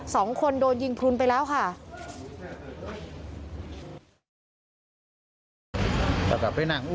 สองคนโดนยิงพลุนไปแล้วค่ะ